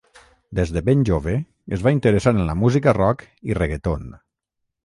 Des de ben jove es va interessar en la música rock i reggaeton.